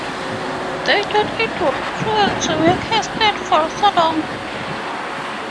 They thought it would be cruel to make her stand for so long.